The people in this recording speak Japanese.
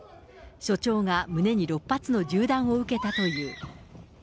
所長が胸に６発の銃弾を受けたという。